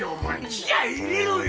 気合入れろよ！